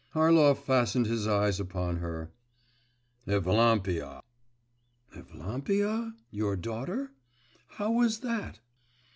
Harlov fastened his eyes upon her: 'Evlampia!' 'Evlampia? Your daughter? How was that?